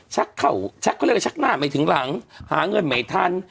เข้าชักเขาเรียกว่าชักหน้าไม่ถึงหลังหาเงินไม่ทัน